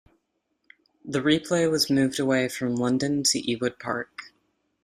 The replay was moved away from London to Ewood Park.